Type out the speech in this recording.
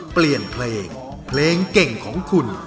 เปลี่ยนเพลงเพลงเก่งของคุณ